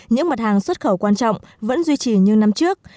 những mặt hàng xuất khẩu quan trọng vẫn duy trì như năm trước